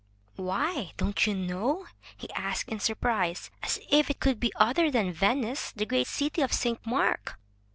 "Why, don't you know?" he asked in surprise. "As if it could be other than Venice, the great city of St. Mark!"